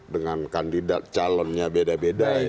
dengan kandidat calonnya beda beda